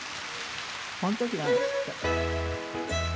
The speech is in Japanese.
この時なんですって。